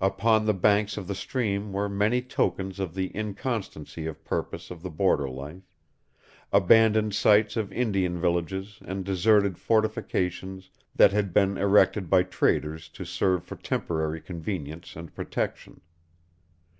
Upon the banks of the stream were many tokens of the inconstancy of purpose of the border life, abandoned sites of Indian villages and deserted fortifications that had been erected by traders to serve for temporary convenience and protection.